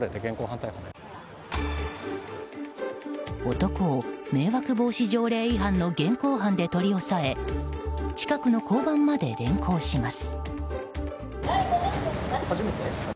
男を迷惑防止条例違反の現行犯で取り押さえ近くの交番まで連行します。